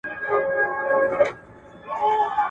که میندې مقاومت وکړي نو دښمن به نه بریالی کېږي.